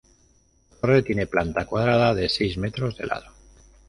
La torre tiene planta cuadrada de seis metros de lado.